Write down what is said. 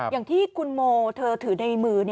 อย่างที่คุณโมเธอถือในมือ